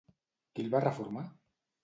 Qui el va reformar?